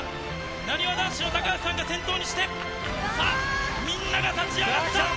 なにわ男子の高橋さんが先頭にしてさぁみんなが立ち上がった！